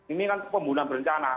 ini kan pembunuhan berencana